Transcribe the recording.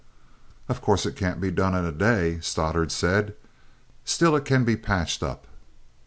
"Of course it can't be done in a day!" Stoddart said; "still it can be patched up."